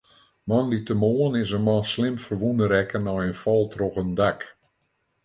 Moandeitemoarn is in man slim ferwûne rekke nei in fal troch in dak.